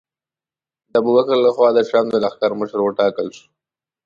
د ابوبکر له خوا د شام د لښکر مشر وټاکل شو.